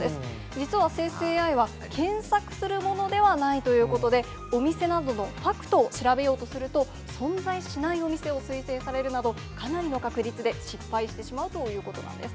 実は生成ＡＩは、検索するものではないということで、お店などのファクトを調べようとすると、存在しないお店を推薦されるなど、かなりの確率で失敗してしまうということなんです。